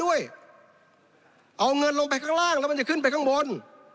ด้วยเอาเงินลงไปข้างล่างแล้วมันจะขึ้นไปข้างบน